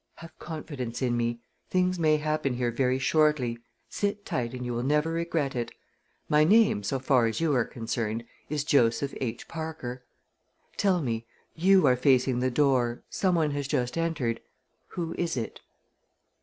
Have confidence in me. Things may happen here very shortly. Sit tight and you will never regret it. My name, so far as you are concerned, is Joseph H. Parker. Tell me, you are facing the door, some one has just entered. Who is it?"